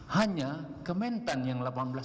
hanya kementan yang delapan belas